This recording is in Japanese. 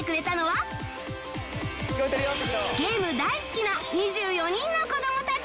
ゲーム大好きな２４人の子どもたち